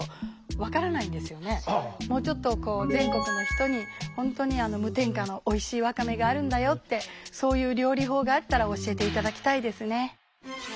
もうちょっとこう全国の人に本当に無添加のおいしいわかめがあるんだよってそういう料理法があったら教えて頂きたいですね。